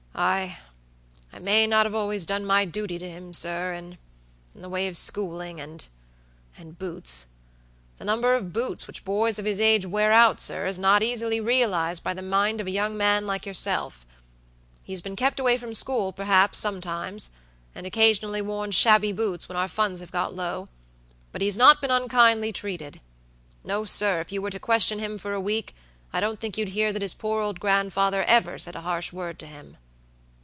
II may not have always done my duty to him, sir, inin the way of schooling, andand boots. The number of boots which boys of his age wear out, sir, is not easily realized by the mind of a young man like yourself; he has been kept away from school, perhaps, sometimes, and occasionally worn shabby boots when our funds have got low; but he has not been unkindly treated. No, sir; if you were to question him for a week, I don't think you'd hear that his poor old grandfather ever said a harsh word to him."